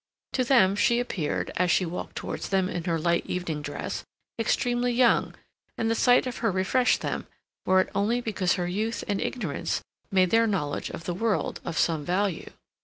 To them she appeared, as she walked towards them in her light evening dress, extremely young, and the sight of her refreshed them, were it only because her youth and ignorance made their knowledge of the world of some value.